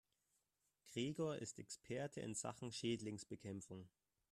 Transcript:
Gregor ist Experte in Sachen Schädlingsbekämpfung.